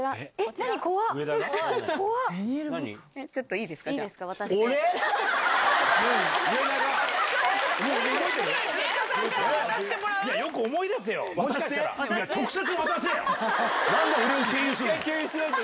何で俺を経由するの⁉